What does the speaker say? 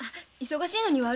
忙しいのね。